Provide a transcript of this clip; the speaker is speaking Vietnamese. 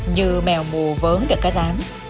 như mèo mù vớn được cá gián